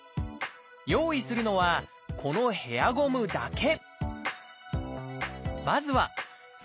用意するのはこのヘアゴムだけ。